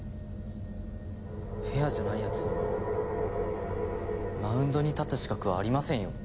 フェアじゃない奴にはマウンドに立つ資格はありませんよ。